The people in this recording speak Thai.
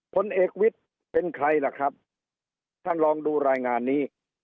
ผลเอกวิทย์เป็นใครล่ะครับท่านลองดูรายงานนี้